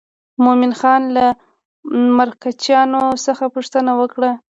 مومن خان له مرکچیانو څخه پوښتنه وکړه.